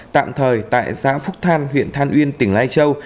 tạm thời tại xã phúc than huyện than uyên tỉnh lai châu